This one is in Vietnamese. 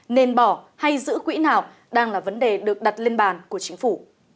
nên bỏ hay giữ quỹ nào đang là vấn đề được đặt lên bàn của chính phủ